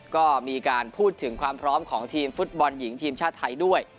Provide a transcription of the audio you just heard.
ก็มีการพูดถึงความพร้อมของทีมฟุตบอลหญิงทีมชาติไทยด้วย